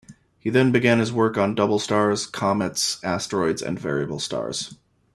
He then began his work on double stars, comets, asteroids, and variable stars.